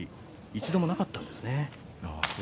一度もなかったですね。